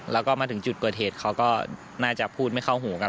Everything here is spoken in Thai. แล้วก็มาถึงจุดเกิดเหตุเขาก็น่าจะพูดไม่เข้าหูกัน